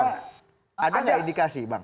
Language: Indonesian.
ternyata ada tidak indikasi bang